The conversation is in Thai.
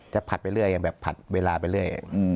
ผัดไปเรื่อยยังแบบผัดเวลาไปเรื่อย